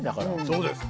そうです。